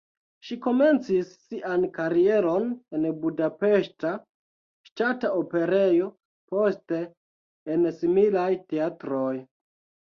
Ŝi komencis sian karieron en Budapeŝta Ŝtata Operejo, poste en similaj teatroj.